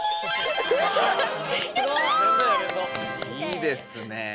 いいですねえ。